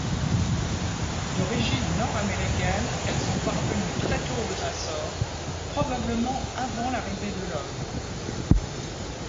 D’origine nord-américaine, elles sont parvenues très tôt aux Açores, probablement avant l’arrivée de l’homme.